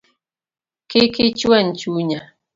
Kik ichuany chunya